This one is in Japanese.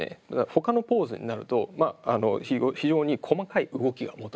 他のポーズになると非常に細かい動きが求められる。